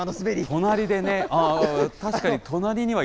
隣でね。